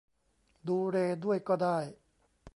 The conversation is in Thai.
ดูเรย์ด้วยก็ได้